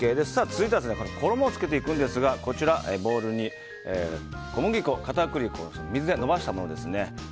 続いては衣をつけていくんですがボウルに小麦粉、片栗粉を水でのばしたものです。